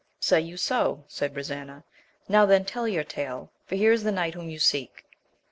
Say you so ? said Brisena ; now then tell your tale, for here is the knight whom ye seek.